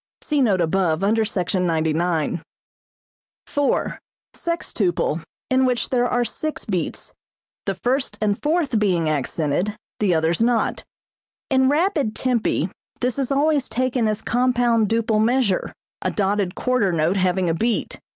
(See note above, under Sec. 99.) 4. Sextuple, in which there are six beats, the first and fourth being accented, the others not. In rapid tempi this is always taken as compound duple measure, a dotted quarter note having a beat.